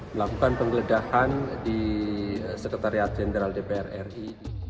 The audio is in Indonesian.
melakukan penggeledahan di sekretariat jenderal dpr ri